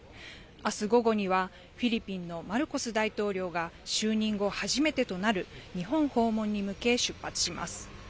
あす午後には、フィリピンのマルコス大統領が、就任後初めてとなる、日本訪問に向け出発します。